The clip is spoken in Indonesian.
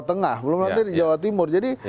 tengah belum ada di jawa timur jadi